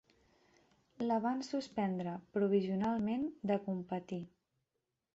La van suspendre provisionalment de competir.